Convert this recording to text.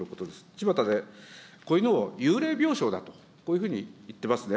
ちまたでこういうのを幽霊病床だと、こういうふうにいってますね。